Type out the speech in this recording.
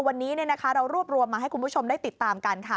วันนี้เรารวบรวมมาให้คุณผู้ชมได้ติดตามกันค่ะ